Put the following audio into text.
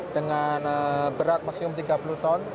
dengan berat maksimum tiga puluh ton